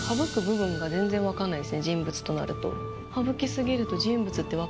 人物となると。